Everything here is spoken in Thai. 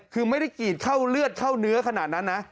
คือไม่ได้กรีดเข้าเลือดเข้าเนื้อขนาดนั้นนะ